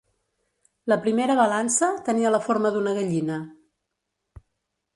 La primera balança tenia la forma d'una gallina.